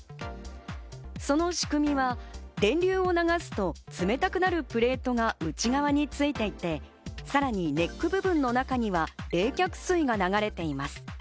その仕組みは電流を流すと冷たくなるプレートが内側についていて、さらにネック部分の中には冷却水が流れています。